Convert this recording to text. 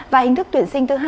và hình thức tuyển sinh thứ hai